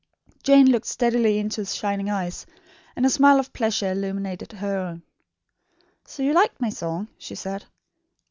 Jane looked steadily into his shining eyes, and a smile of pleasure illumined her own. "So you liked my song?" she said.